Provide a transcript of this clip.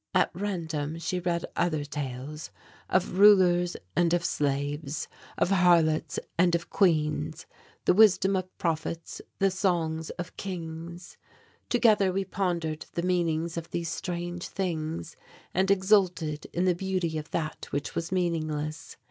At random she read other tales, of rulers and of slaves, of harlots and of queens the wisdom of prophets the songs of kings. Together we pondered the meanings of these strange things, and exulted in the beauty of that which was meaningless.